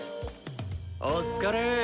お疲れ。